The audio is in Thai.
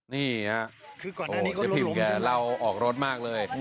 นี่ฮะโหจะพิมพ์แกเราออกรถมากเลย